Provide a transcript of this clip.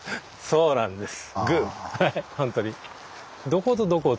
そうなんです。